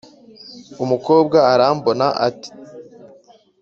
Umukobwa arambona, at